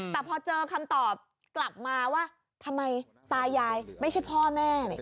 แต่พอเจอคำตอบกลับมาว่าทำไมตายายไม่ใช่พ่อแม่เนี่ย